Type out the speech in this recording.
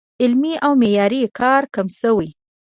علمي او معیاري کار کم شوی